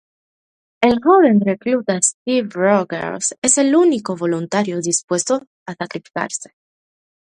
El joven recluta Steve Rogers es el único voluntario dispuesto a sacrificarse.